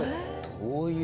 どういう。